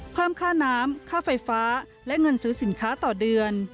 เพิ่มค่าน้ำค่าไฟฟ้าและเงินซื้อสินค้าต่อเดือน